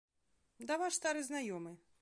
Да ваш стары знаёмы.